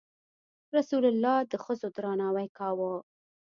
رسول الله د ښځو درناوی کاوه.